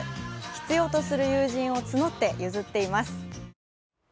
必要とする友人を募って譲っています。